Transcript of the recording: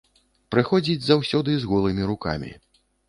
Прыходзіць заўсёды з голымі рукамі.